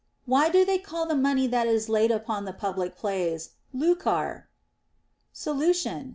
Why do they call the money that is laid out upon the public plays lucar ? Solution.